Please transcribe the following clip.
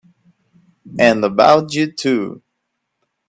And about you too!